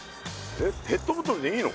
えっペットボトルでいいの？